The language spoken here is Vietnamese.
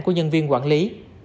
của nhân viên quản lý